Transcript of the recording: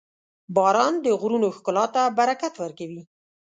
• باران د غرونو ښکلا ته برکت ورکوي.